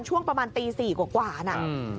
ช่วงประมาณตี๔กว่านะ